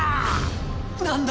何だ？